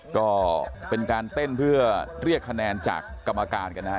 ก็เป็นการเต้นเพื่อเรียกคะแนนจากกรรมการกันนะฮะ